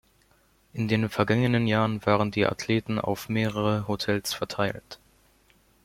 In den vergangenen Jahren waren die Athleten auf mehrere Hotels verteilt.